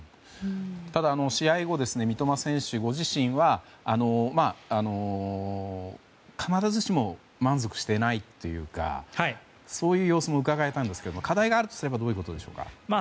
ただ、試合後三笘選手ご自身は必ずしも満足していないというかそういう様子もうかがえたんですが課題があるとすればどういうことでしょうか。